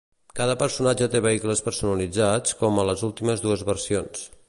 Cada personatge té vehicles personalitzats, com a les últimes dues versions.